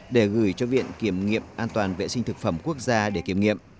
để gửi cho viện kiểm nghiệm an toàn vệ sinh thực phẩm quốc gia để kiểm nghiệm